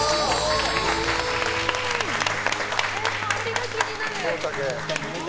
香りが気になる。